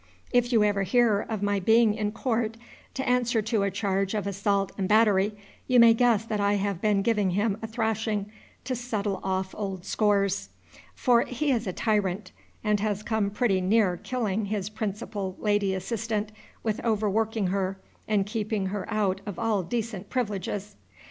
If you ever hear of my being in court to answer to a charge of assault and battery, you may guess that I have been giving him a thrashing to settle off old scores; for he is a tyrant, and has come pretty near killing his principal lady assistant with overworking her and keeping her out of all decent privileges.